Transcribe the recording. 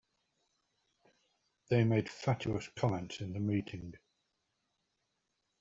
They made fatuous comments in the meeting.